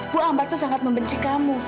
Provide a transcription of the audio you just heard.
bu ambar itu sangat membenci kamu